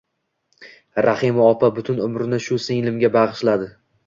Rahima opa butun umrini shu singlimga bag`ishladi